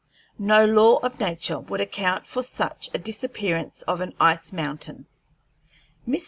No law of nature would account for such a disappearance of an ice mountain. Mr.